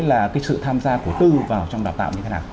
là cái sự tham gia của tư vào trong đào tạo như thế nào